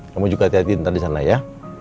kamu juga hati hati ntar disana ya